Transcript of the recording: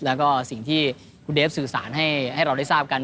แล้วก็สิ่งที่คุณเดฟสื่อสารให้เราได้ทราบกัน